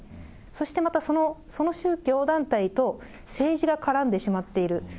そしてまたその宗教団体と政治が絡んでしまっている。